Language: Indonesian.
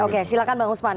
oke silakan bang usman